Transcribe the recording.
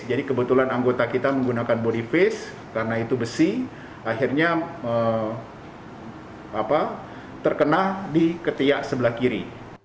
jadi kebetulan anggota kita menggunakan body face karena itu besi akhirnya terkena di ketiak sebelah kiri